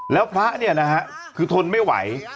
แล้วพระท่านี่นะครับคือทนไม่ไห่